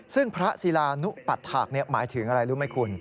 ซึ่งพระศิลานุปัดถาคหมายถึงอะไรรู้ไหมคุณ